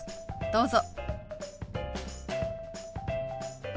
どうぞ。